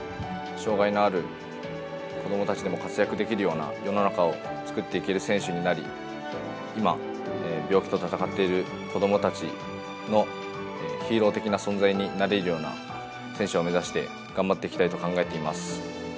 障がいのある子どもたちでも活躍できるような世の中を作っていける選手になり、今、病気と闘っている子どもたちのヒーロー的な存在になれるような選手を目指して、陣内さん。